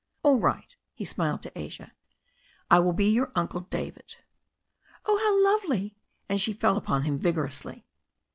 "All right," he smiled at Asia, "I will be your Uncle David." "Oh, how lovely !" And she fell upon him vigorously.